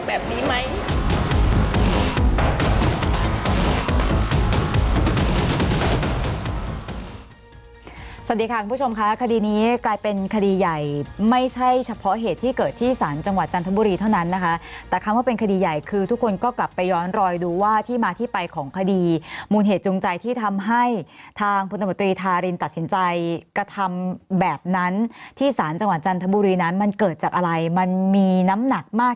แบบนี้ไหมคุณผู้ชมค่ะคดีนี้กลายเป็นคดีใหญ่ไม่ใช่เฉพาะเหตุที่เกิดที่ศาลจังหวัดจันทบุรีเท่านั้นนะคะแต่คำว่าเป็นคดีใหญ่คือทุกคนก็กลับไปย้อนรอยดูว่าที่มาที่ไปของคดีมูลเหตุจูงใจที่ทำให้ทางพลตมตรีทารินตัดสินใจกระทำแบบนั้นที่สารจังหวัดจันทบุรีนั้นมันเกิดจากอะไรมันมีน้ำหนักมาก